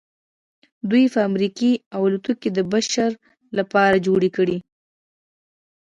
دوی فابریکې او الوتکې د بشر لپاره جوړې کړې